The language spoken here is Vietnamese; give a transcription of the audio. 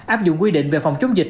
áp dụng quy định về phòng chống dịch